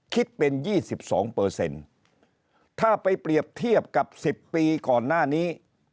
คิดเป็น๒๒ถ้าไปเปรียบเทียบกับ๑๐ปีก่อนหน้านี้